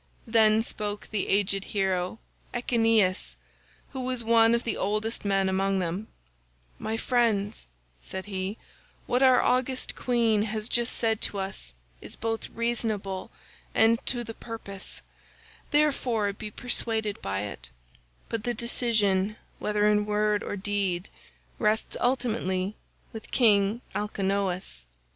Then spoke the aged hero Echeneus who was one of the oldest men among them, "My friends," said he, "what our august queen has just said to us is both reasonable and to the purpose, therefore be persuaded by it; but the decision whether in word or deed rests ultimately with King Alcinous."